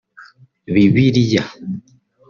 Bibiliya